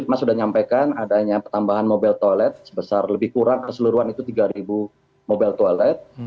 mas sudah menyampaikan adanya pertambahan mobile toilet sebesar lebih kurang keseluruhan itu tiga mobile toilet